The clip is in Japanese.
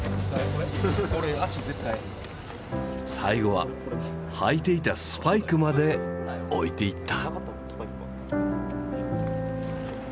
最後は履いていたスパイクまで置いていった。